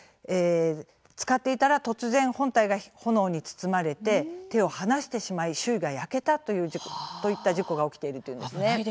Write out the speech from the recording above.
使っていたら突然本体が炎に包まれて手を放してしまい周囲が焼けたといった事故が起きていると危ないですね。